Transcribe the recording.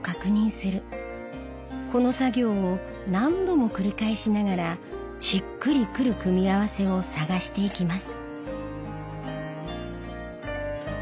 この作業を何度も繰り返しながらしっくりくる組み合わせを探していきます。